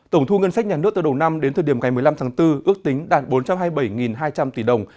tổng thu ngân sách nhà nước từ đầu năm đến thời điểm ngày một mươi năm tháng bốn ước tính đạt bốn trăm hai mươi bảy hai trăm linh tỷ đồng